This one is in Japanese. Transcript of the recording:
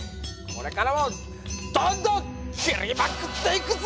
これからもどんどん切りまくっていくぜ。